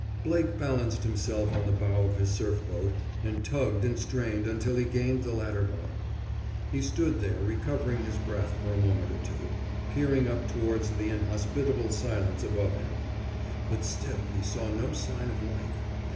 Blake balanced himself on the bow of his surf boat and tugged and strained until he gained the ladder bottom. He stood there, recovering his breath, for a moment or two, peering up towards the inhospitable silence above him. But still he saw no sign of life.